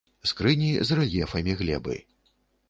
Скрыні з рэльефамі глебы.